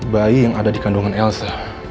bayi yang ada di kandungan elsa